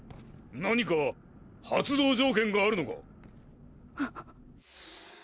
何か発動条件があるのか？